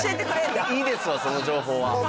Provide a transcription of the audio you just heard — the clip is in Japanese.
いいですわその情報は。